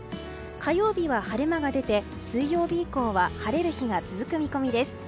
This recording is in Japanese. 火曜日は晴れ間が出て水曜日以降は晴れる日が続く見込みです。